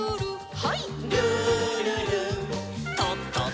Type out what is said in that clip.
はい。